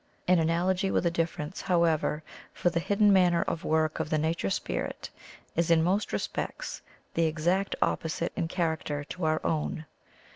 An analogy with a difference, however, for the hidden manner of work of the nature spirit is in most respects the exact opposite in charac ter to our own.